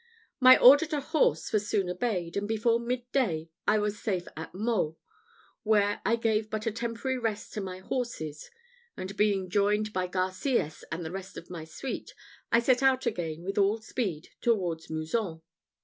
My order to horse was soon obeyed, and before mid day I was safe at Meaux, where I gave but a temporary rest to my horses; and being joined by Garcias and the rest of my suite, I set out again with all speed towards Mouzon.